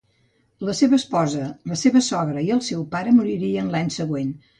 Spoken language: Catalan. La seva esposa, la seva sogra i el seu pare moriren l'any següent.